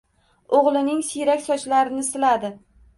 O’g‘lining siyrak sochlarini siladi.